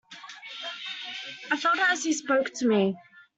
I felt it as he spoke to me.